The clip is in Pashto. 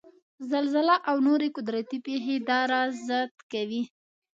زلزله او نورې قدرتي پېښې دا رازد کوي.